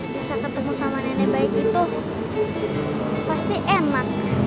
bisa ketemu sama nenek baik itu pasti enak